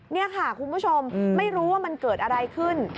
นี่ค่ะคุณผู้ชมไม่รู้ว่ามันเกิดอะไรขึ้น